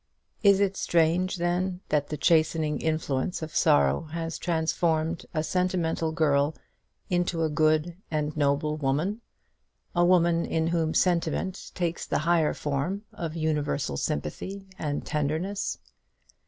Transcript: Is it strange, then, that the chastening influence of sorrow has transformed a sentimental girl into a good and noble woman a woman in whom sentiment takes the higher form of universal sympathy and tenderness?